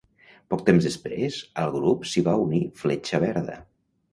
Poc temps després, al grup s'hi va unir Fletxa Verda.